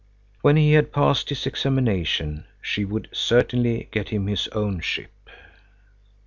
When he had passed his examination, she would certainly get him his own ship.